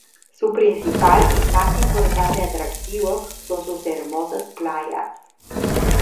Su principal y más importante atractivo, son sus hermosas playas.